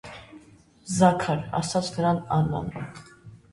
Զաքար,- ասաց նրան Աննան: